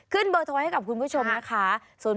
เบอร์โทรให้กับคุณผู้ชมนะคะ